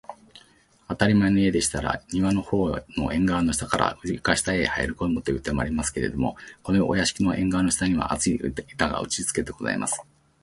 あたりまえの家でしたら、庭のほうの縁がわの下から、床下へはいこむという手もありますけれど、このお座敷の縁がわの下には、厚い板が打ちつけてございます